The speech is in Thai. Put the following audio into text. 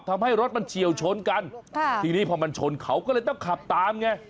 ทำให้รถมันเฉียวชนกันค่ะทีนี้พอมันชนเขาก็เลยต้องขับตามไง